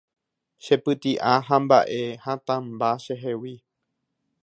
che pyti'a ha mba'e hatãmba chehegui